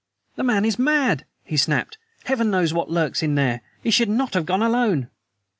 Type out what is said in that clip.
"The man is mad!" he snapped. "Heaven knows what lurks there! He should not have gone alone!"